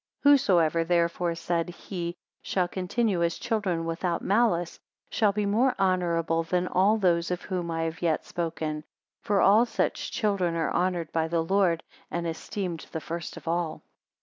246 Whosoever therefore, said he, shall continue as children without malice; shall be more honourable than all those of whom I have yet spoken: for all such children are honoured by the Lord, and esteemed the first of all.